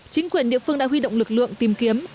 chính quyền địa phương đã huy động lực lượng tìm kiếm